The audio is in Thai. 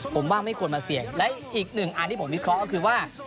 ผมว่าไม่ควรมาเสี่ยงและอีกหนึ่งอันที่ผมวิเคราะห์ก็คือว่า